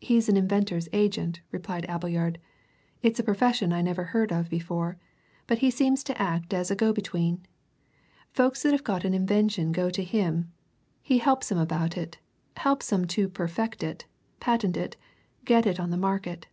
"He's an inventor's agent," replied Appleyard. "It's a profession I never heard of before, but he seems to act as a go between. Folks that have got an invention go to him he helps 'em about it helps 'em to perfect it, patent it, get it on the market.